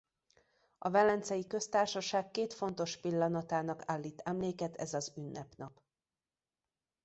A Velencei Köztársaság két fontos pillanatának állít emléket ez az ünnepnap.